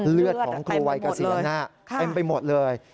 เลือดของครูวัยกระเสียนนะฮะเต็มไปหมดเลย